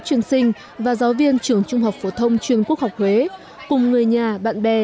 chuyên sinh và giáo viên trường trung học phổ thông chuyên quốc học huế cùng người nhà